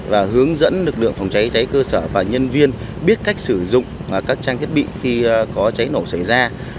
và hướng dẫn lực lượng phòng cháy cháy cơ sở và nhân viên biết cách sử dụng các trang thiết bị khi có cháy nổ xảy ra